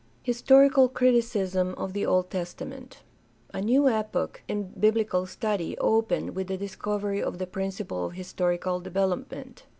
Historical criticism of the Old Testament. — A new epoch in biblical study opened with the discovery of the principle of historical development.